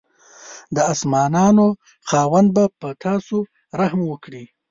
د اسمانانو خاوند به په تاسو رحم وکړي.